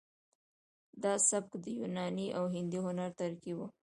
دا سبک د یوناني او هندي هنر ترکیب و